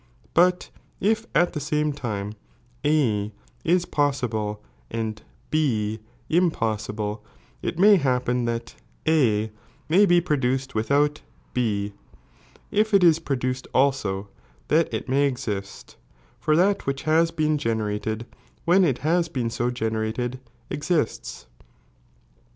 But if at the Mme Ume A is possible atid B impossible, it may happen that A may be produced without B ; if it is produced also, tliat it m^ exist, for that which has been generated, j Digieuioa when it has been so generated, exists.